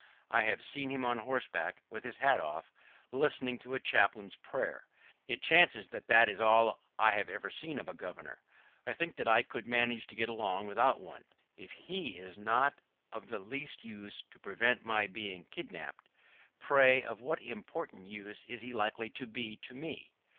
I have seen him on horseback, with his hat off, listening to a chaplain's prayer. It chances that that is all I have ever seen of a Governor. I think that I could manage to get along without one. If he is not of the least use to prevent my being kidnapped, pray of what important use is he likely to be to me?